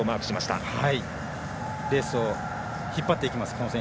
この選手がレースを引っ張っていきます。